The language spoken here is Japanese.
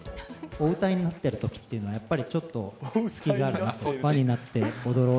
お歌いになっているときっていうのはやっぱりちょっと、隙があるなっていう。